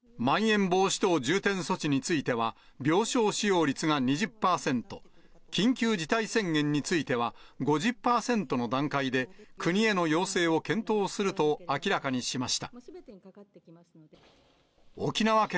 まん延防止等重点措置については、病床使用率が２０％、緊急事態宣言については、５０％の段階で、国への要請を検討すると明らかにしました。